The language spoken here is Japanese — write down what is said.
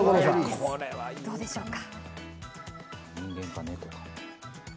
これはどうでしょうか。